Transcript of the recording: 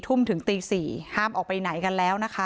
๔ทุ่มถึงตี๔ฮาบออกไปไหนกันแล้ว